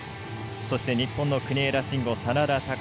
そして、日本の国枝慎吾、眞田卓。